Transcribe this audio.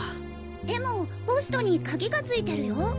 でもポストにカギがついてるよ。